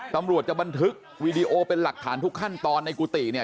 ตำรวจจะบันทึกวีดีโอเป็นหลักฐานทุกขั้นตอนในกุฏิเนี่ย